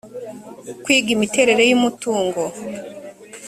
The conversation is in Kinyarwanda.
kwiga imiterere y umutungo